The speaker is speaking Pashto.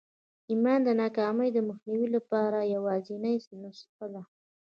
ایمان د ناکامۍ د مخنیوي لپاره یوازېنۍ نسخه ده